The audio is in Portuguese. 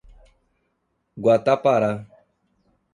Guatapará